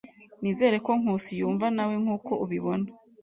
Nizere ko Nkusi yumva nawe nkuko ubibona.